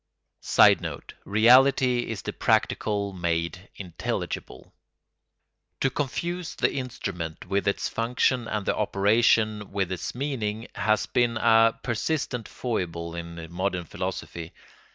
[Sidenote: Reality is the practical made intelligible.] To confuse the instrument with its function and the operation with its meaning has been a persistent foible in modern philosophy.